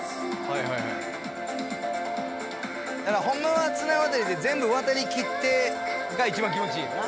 ほんまは綱渡りで全部渡り切ってが一番気持ちいいよな。